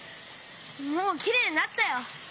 もうきれいになったよ。